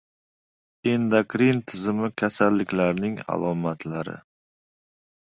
Endokrin tizimi kasalliklarining alomatlari